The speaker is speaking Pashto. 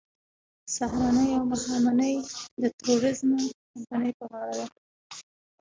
سهارنۍ او ماښامنۍ د ټوریزم کمپنۍ په غاړه ده.